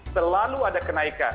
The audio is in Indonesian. selalu ada kenaikan